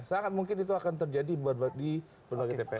sangat mungkin itu akan terjadi di berbagai tps